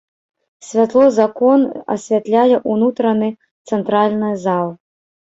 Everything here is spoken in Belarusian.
Святло з акон асвятляе ўнутраны цэнтральны зал.